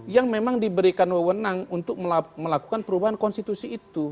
yang memang diberikan wewenang untuk melakukan perubahan konstitusi itu